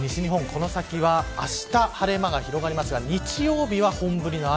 この先はあした晴れ間が広まりますが日曜日は本降りの雨